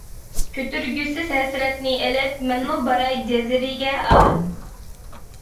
كۆتۈرگۈسىز ھەسرەتنى ئېلىپ، مەنمۇ باراي جەزىرىگە، ئاھ.